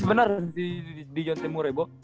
bener di yontemure bo